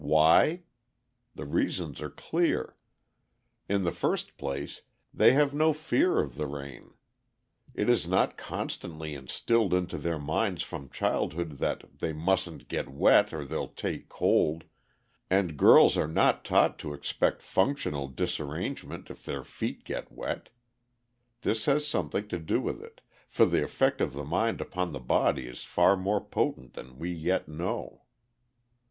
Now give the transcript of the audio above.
Why? The reasons are clear. In the first place, they have no fear of the rain. It is not constantly instilled into their minds from childhood that "they mustn't get wet, or they'll take cold," and girls are not taught to expect functional disarrangement if they "get their feet wet." This has something to do with it, for the effect of the mind upon the body is far more potent than we yet know.